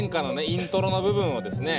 イントロの部分をですね